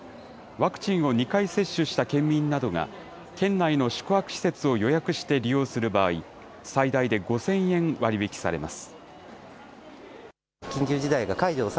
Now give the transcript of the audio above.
ワクチンを２回接種した県民などが、県内の宿泊施設を予約して利用する場合、最大で５０００円割引きされます。